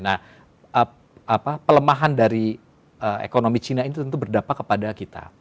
nah pelemahan dari ekonomi cina itu tentu berdampak kepada kita